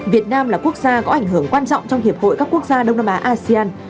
việt nam là quốc gia có ảnh hưởng quan trọng trong hiệp hội các quốc gia đông nam á asean